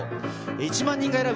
１万人が選ぶ！